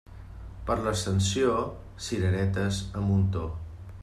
Per l'Ascensió, cireretes a muntó.